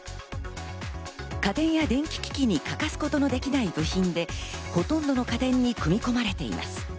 家電や電気機器に欠かすことのできない部品で、ほとんどの家電に組み込まれています。